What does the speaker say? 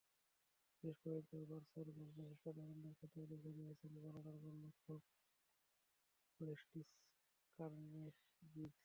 বেশ কয়েকবার বার্সার গোলপ্রচেষ্টা দারুণ দক্ষতায় রুখে দিয়েছেন গ্রানাডার গোলরক্ষক ওরেসটিস কারনেজিজ।